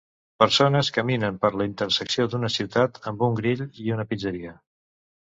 Persones caminen per la intersecció d'una ciutat amb un grill i una pizzeria.